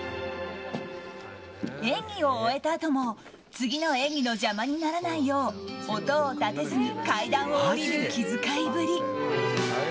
演技を終えたあとも次の演技の邪魔にならないよう音を立てずに階段を下りる気遣いぶり。